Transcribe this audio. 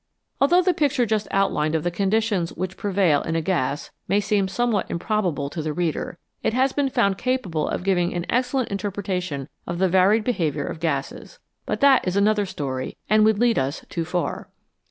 Although the picture just outlined of the conditions which prevail in a gas may seem somewhat improbable to the reader, it has been found capable of giving an excel lent interpretation of the varied behaviour of gases. But that is another story, and would lead us too far.